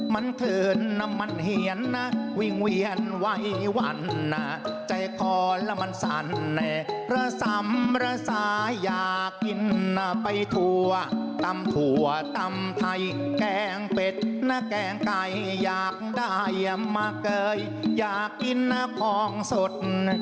มันคืนมันเหยียนวิ่งเวียนไว้วันใจคอมันสั่นรสำรสายากินไปถั่วตำถั่วตำไทยแกงเป็ดแกงไก่อยากได้มาเกยอยากกินของสด